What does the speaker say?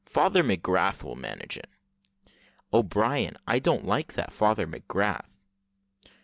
Father McGrath will manage it." "O'Brien, I don't like that Father McGrath."